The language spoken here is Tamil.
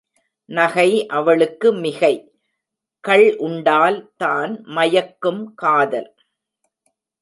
நகை அவளுக்கு மிகை. கள் உண்டால்தான் மயக்கும் காதல்!